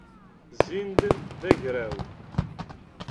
Zzin-d d agraw.